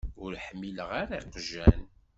Ur ḥmileɣ ara iqjan.